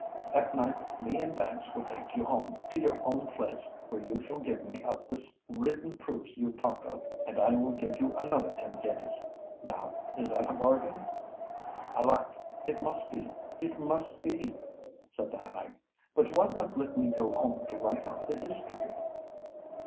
At night me and Banks will take you home—to your own place; where you shall give me up the written proofs you talk of—and I will give you another ten guineas. Now is that a bargain?" "Alack! it must be—it must be!" said the hag. "But why not let me go home to write out the history?"